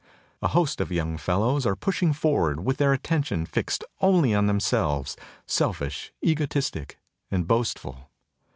A host of young fellows are pushing forward, with their atten ii THE TOCSIN OF REVOLT tion fixed only on themselves, selfish, egotistic and boastful.